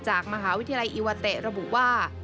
จากมหาวิทยาลัยอิวาเตะระบุว่า